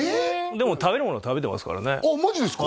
でも食べるもの食べてますからねああマジですか？